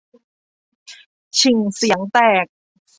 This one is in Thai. ฉิ่งเสียงแตก